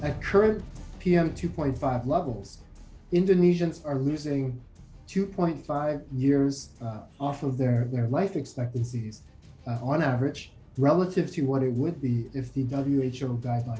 di dua lima level pm dua lima indonesia mengurangi dua lima tahun dari harapan hidup mereka secara berdasarkan apa yang akan terjadi jika perhitungan who ditemukan